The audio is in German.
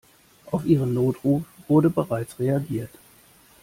Auf Ihren Notruf wurde bereits reagiert.